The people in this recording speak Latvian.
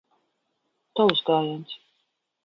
Tavs gājiens.